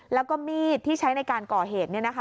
แล้วก็มีดที่ใช้ในการก่อเหตุ